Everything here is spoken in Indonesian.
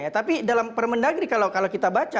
tapi dalam permendagri kalau kita baca